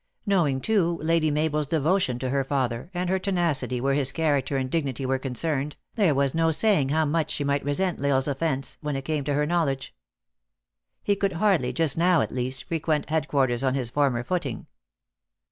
Knowing, too, Lady Mabel s devotion to her father, and her tenacity where his character and dignity were concerned, there was no saying how much she might resent L Isle s offence, when it came to her knowledge. He could hardly, just now at least, frequent head quarters on his former footing.